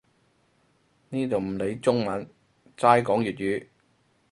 呢度唔理中文，齋講粵語